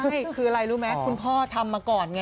ใช่คืออะไรรู้ไหมคุณพ่อทำมาก่อนไง